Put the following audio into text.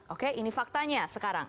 oke ini faktanya sekarang